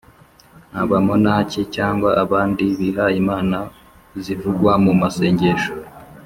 abamonaki cyangwa abandi bihayimana, zivugwa mu masangesho